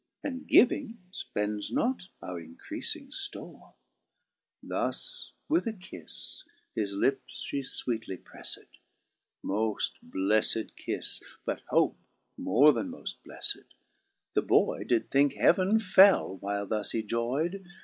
And giving fpends not our increafing ftorc.*' — Thus with a kifle his lips fhe fwcetly prefled ; Moft blefTed kifle, but hope more than moft bleiled ! The boy did thinke heaven fell while thus he joy*d.